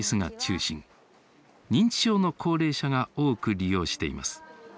認知症の高齢者が多く利用しています。